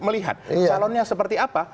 melihat salonnya seperti apa